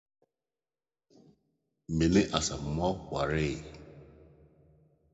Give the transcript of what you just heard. Me ne Asamoah waree.